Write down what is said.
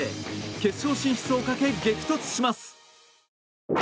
決勝進出をかけ、激突します。